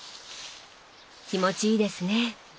気持ちいいですね。